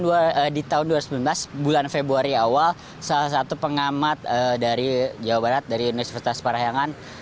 di tahun dua ribu sembilan belas bulan februari awal salah satu pengamat dari jawa barat dari universitas parahyangan